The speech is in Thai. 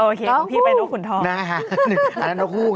โอเคของพี่เป็นนกขุนทอง